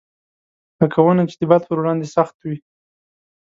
لکه ونه چې د باد پر وړاندې سخت وي.